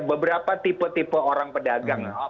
beberapa tipe tipe orang pedagang